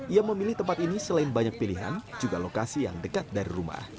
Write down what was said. ia memilih tempat ini selain banyak pilihan juga lokasi yang dekat dari rumah